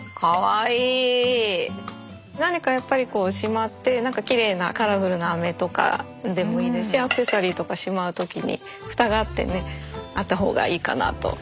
何かやっぱりこうしまってきれいなカラフルな飴とかでもいいですしアクセサリーとかしまう時にフタがあってねあった方がいいかなと。